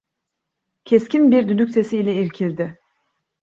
Keskin bir düdük sesi ile irkildi.